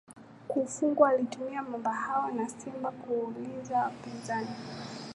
kufugwa alitumia mamba hao na simba kuulia wapinzani